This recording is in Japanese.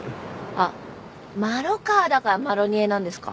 あっ麻呂川だからマロニエなんですか？